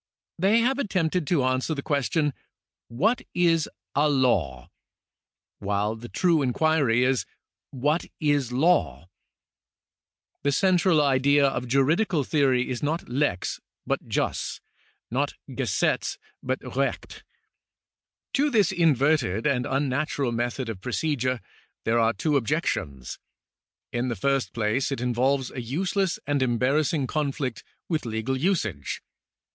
They have attempted to answer the question :" What is a law ?" while the true inquiry is :" What is law ?" The central idea of juridical theory is not lex hut jus, not gesetz but recht. To this inverted and unnatural method of procedure there are two objections. In the first place it involves a useless and embar rassing conflict with legal usage.